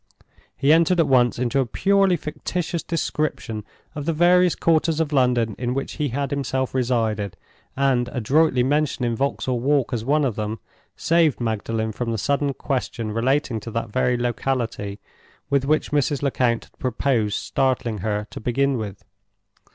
He entered at once into a purely fictitious description of the various quarters of London in which he had himself resided; and, adroitly mentioning Vauxhall Walk as one of them, saved Magdalen from the sudden question relating to that very locality with which Mrs. Lecount had proposed startling her, to begin with.